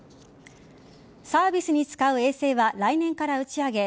サービスに使う衛星は来年から打ち上げ